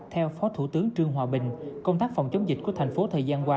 theo phó thủ tướng trương hòa bình công tác phòng chống dịch của thành phố thời gian qua